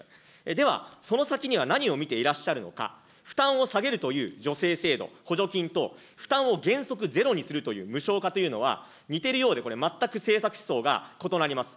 では、その先には何を見ていらっしゃるのか、負担を下げるという助成制度、補助金等、負担を原則ゼロにするという無償化というのは、似てるようでこれ、全く政策思想が異なります。